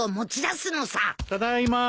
ただいま。